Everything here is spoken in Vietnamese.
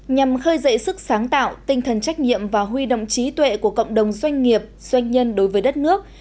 nhằm khơi dậy sức sáng tạo tinh thần trách nhiệm và huy động trí tuệ của cộng đồng doanh nghiệp doanh nhân đối với đất nước